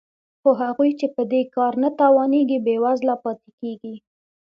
خو هغوی چې په دې کار نه توانېږي بېوزله پاتې کېږي